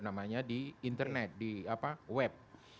namanya di internet di web